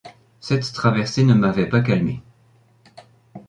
Cette traversée ne m’avait pas calmé.